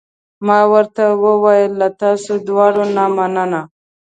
ما ورته وویل: له تاسو دواړو نه مننه.